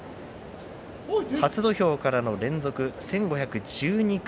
初土俵からの連続１５１２回。